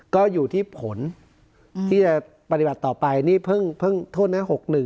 ก็อยู่ที่ผลที่จะปฏิบัติต่อไปนี่เพิ่งโทษนะ๖๑